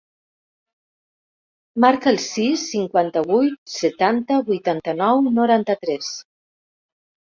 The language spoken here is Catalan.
Marca el sis, cinquanta-vuit, setanta, vuitanta-nou, noranta-tres.